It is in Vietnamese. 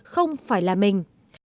không phải là mình